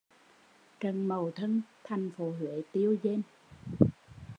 Trận Mậu Thân, thành phố Huế tiêu dên